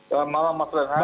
selamat malam mas benar